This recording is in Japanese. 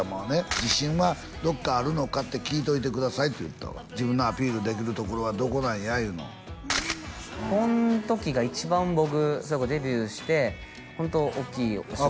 自信はどっかあるのかって聞いといてくださいって言うてた自分のアピールできるところはどこなんやいうのこん時が一番僕デビューしてホントおっきいお仕事あっ